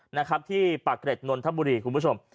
นะครับที่ปากเกร็ดนนทบุรีคุณผู้ชม